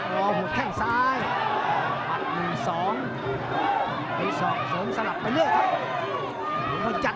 รอหัวแข้งซ้ายปัดหนึ่งสองสองสลับไปเรื่อยครับ